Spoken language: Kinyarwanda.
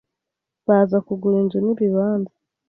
baza kugura inzu n’ibibanza